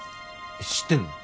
知ってんの？